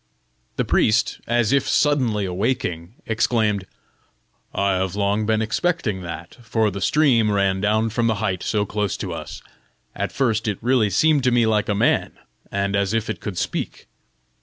The priest, as if suddenly awaking, exclaimed "I have long been expecting that, for the stream ran down from the height so close to us. At first it really seemed to me like a man, and as if it could speak."